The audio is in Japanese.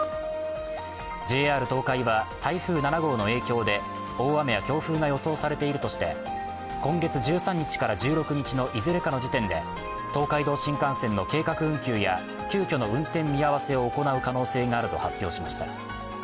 ＪＲ東海は台風７号の影響で大雨や強風が予想されているとして、今月１３日から１６日のいずれかの時点で東海道新幹線の計画運休や急きょの運転見合わせを行う可能性があると発表しました。